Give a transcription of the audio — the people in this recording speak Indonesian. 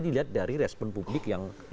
dilihat dari respon publik yang